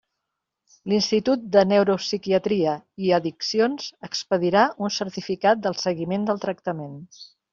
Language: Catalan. L'Institut de Neuropsiquiatria i Addiccions expedirà un certificat del seguiment del tractament.